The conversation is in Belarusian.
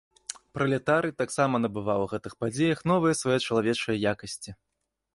Пралетарый таксама набываў у гэтых падзеях новыя свае чалавечыя якасці.